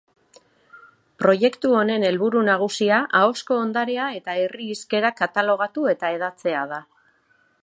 Proiektu honen helburu nagusia ahozko ondarea eta herri hizkerak katalogatu eta hedatzea da.